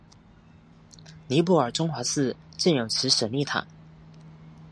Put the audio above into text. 尼泊尔中华寺建有其舍利塔。